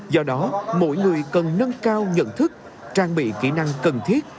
do đó mỗi người cần nâng cao nhận thức trang bị kỹ năng cần thiết